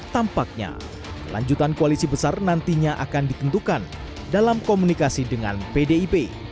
tampaknya kelanjutan koalisi besar nantinya akan ditentukan dalam komunikasi dengan pdip